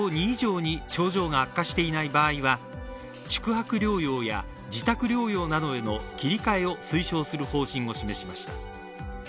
２以上症状が悪化していない場合は宿泊療養や自宅療養などへの切り替えを推奨する方針を示しました。